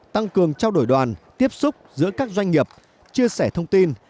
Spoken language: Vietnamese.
tăng cường trao đổi đoàn tiếp xúc giữa các doanh nghiệp chia sẻ thông tin